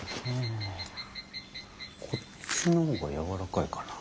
こっちの方がやわらかいかな。